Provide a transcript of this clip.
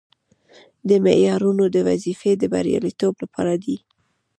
دا معیارونه د وظیفې د بریالیتوب لپاره دي.